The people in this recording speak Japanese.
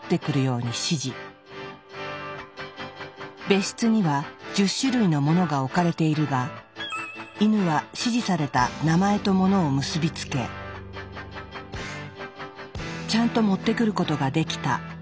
別室には１０種類の物が置かれているがイヌは指示された名前と物を結び付けちゃんと持ってくることができた。